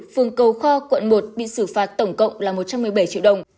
phường cầu kho quận một bị xử phạt tổng cộng là một trăm một mươi bảy triệu đồng